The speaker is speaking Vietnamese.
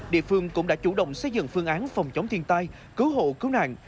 địa phương cũng đã chủ động xây dựng phương án phòng chống thiên tai cứu hộ cứu nạn